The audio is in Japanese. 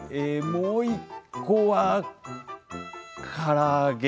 もう１個はから揚げ。